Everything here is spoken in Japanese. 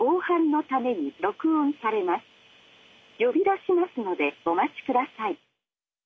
「呼び出しますのでお待ちください」。